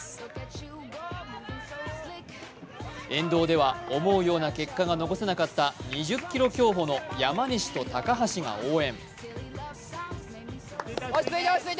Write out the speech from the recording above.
沿道では思うような結果が残せなかった２０ｋｍ競歩の山西と高橋が応援。